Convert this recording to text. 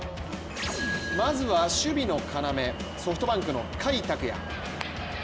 まずは守備の要ソフトバンクの甲斐拓也。